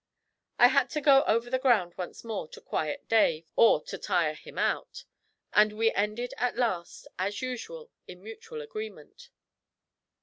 I had to go over the ground once more to quiet Dave, or to tire him out; and we ended at last, as usual, in mutual agreement.